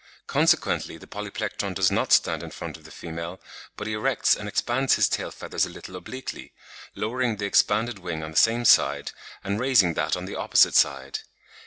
Consequently the Polyplectron does not stand in front of the female; but he erects and expands his tail feathers a little obliquely, lowering the expanded wing on the same side, and raising that on the opposite side.